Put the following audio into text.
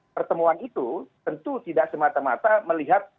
pertemuan itu tentu tidak semata mata melihat